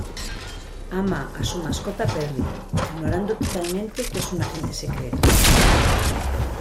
Ama a su mascota Perry, ignorando totalmente que es un agente secreto.